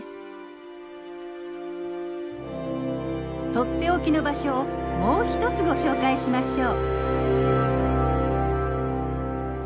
とっておきの場所をもう一つご紹介しましょう。